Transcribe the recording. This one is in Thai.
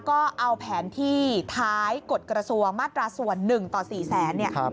ก็เอาแผนที่ท้ายกฎกระทรวงมาตราส่วน๑ต่อ๔แสนเนี่ย